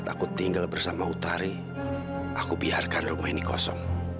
sekarang aku jadi bisa pakai tempat ini untuk menyembunyikan jahira